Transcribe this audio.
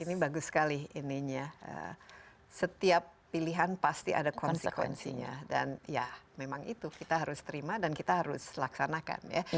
ini bagus sekali ininya setiap pilihan pasti ada konsekuensinya dan ya memang itu kita harus terima dan kita harus laksanakan ya